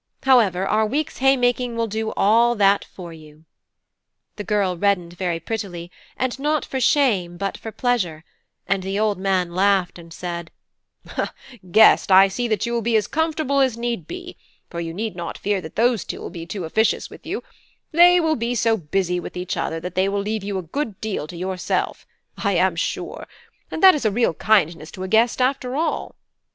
However, our week's haymaking will do all that for you." The girl reddened very prettily, and not for shame but for pleasure; and the old man laughed, and said: "Guest, I see that you will be as comfortable as need be; for you need not fear that those two will be too officious with you: they will be so busy with each other, that they will leave you a good deal to yourself, I am sure, and that is a real kindness to a guest, after all.